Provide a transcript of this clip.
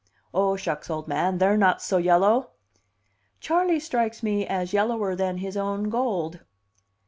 "Oh, shucks, old man, they're not so yellow!" "Charley strikes me as yellower than his own gold."